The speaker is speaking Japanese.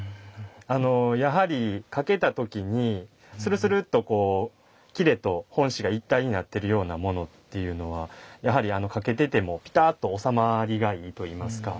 やはり掛けた時にスルスルっとこう裂と本紙が一体になってるようなものっていうのはやはり掛けててもぴたっと収まりがいいといいますか。